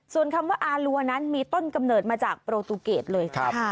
ส่วนคำว่าอารัวนั้นมีต้นกำเนิดมาจากโปรตูเกตเลยครับ